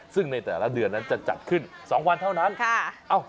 ซึ่งในแต่ละเดือนนั้นจะจัดขึ้น๒วันเท่านั้น